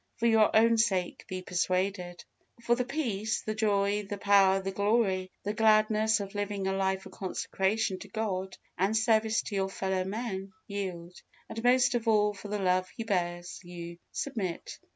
For your own sake be persuaded. For the peace, the joy, the power, the glory, the gladness of living a life of consecration to God, and service to your fellow men, yield; but most of all, for the love He bears you, submit.